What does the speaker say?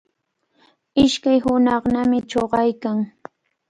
Ishkay hunaqnami chuqaykan.